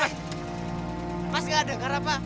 mas masih nggak ada karapa